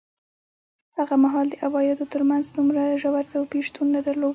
هغه مهال د عوایدو ترمنځ دومره ژور توپیر شتون نه درلود.